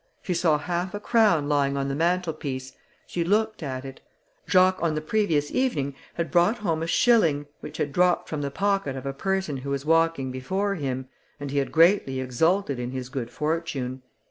She saw half a crown lying on the mantelpiece; she looked at it: Jacques on the previous evening had brought home a shilling, which had dropped from the pocket of a person who was walking before him, and he had greatly exulted in his good fortune.